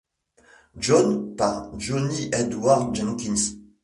John par Johnny Edward Jenkins.